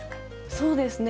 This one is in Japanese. そうですね。